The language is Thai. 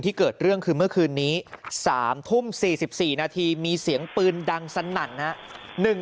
เกิดเรื่องคือเมื่อคืนนี้๓ทุ่ม๔๔นาทีมีเสียงปืนดังสนั่นฮะ